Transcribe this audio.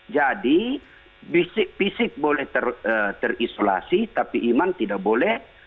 jadi fisik fisik boleh terisolasi tapi iman tidak boleh